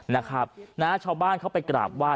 นะครับชาวบ้านเข้าไปกราบว่า